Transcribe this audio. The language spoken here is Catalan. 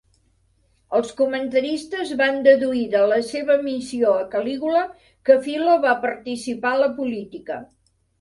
Els comentaristes van deduir de la seva missió a Calígula que Philo va participar a la política.